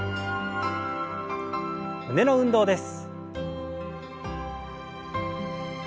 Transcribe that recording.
胸の運動です。